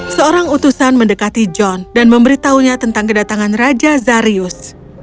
seorang utusan mendekati john dan memberitahunya tentang kedatangan raja zarius